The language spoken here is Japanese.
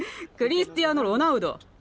クリスティアーノ・ロナウド。